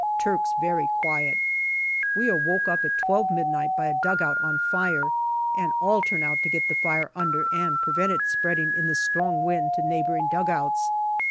Turks very quiet. We are woke up at twelve midnight by a dugout on fire, and all turn out to get the fire under and prevent it spreading in the strong wind to neighbouring dugouts.